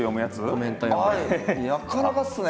なかなかっすね。